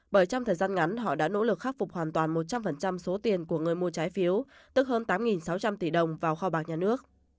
bởi trong thời gian ngắn họ đã nỗ lực khắc phục hoàn toàn một trăm linh số tiền của người mua trái phiếu tức hơn tám sáu trăm linh tỷ đồng vào kho bạc nhà nước